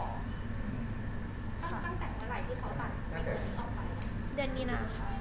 ตั้งแต่เตรียมเตรียมไหนที่เขาตัด